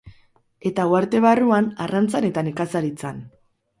Eta, uharte barruan, arrantzan eta nekazaritzan.